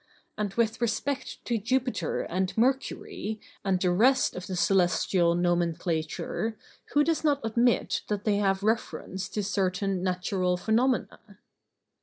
And with respect to Jupiter and Mercury, and the rest of the celestial nomenclature, who does not admit that they have reference to certain natural phenomena?